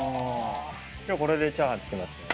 今日これでチャーハン作りますね